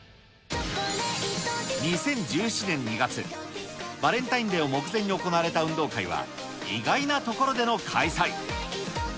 ２０１７年２月、バレンタインデーを目前に行われた運動会は、意外な所での開催。